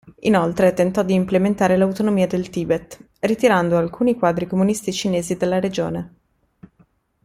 Inoltre, tentò di implementare l'autonomia del Tibet, ritirando alcuni quadri comunisti cinesi dalla regione.